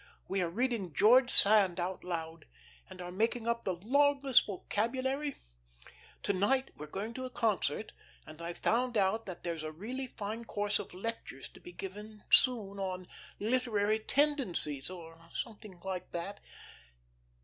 We are reading George Sand out loud, and are making up the longest vocabulary. To night we are going to a concert, and I've found out that there's a really fine course of lectures to be given soon on "Literary Tendencies," or something like that.